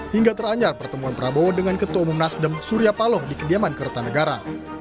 hingga teranyar pertemuan prabowo dengan ketua umum nasdem surya paloh di kediaman kertanegara